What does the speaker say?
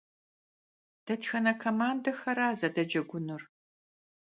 Detxene komandexera zedecegunur?